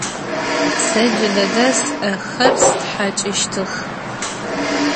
Se cıdede s'exer sthaç'ıştıx.